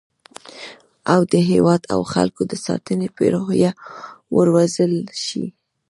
او د هیواد او خلکو د ساتنې په روحیه وروزل شي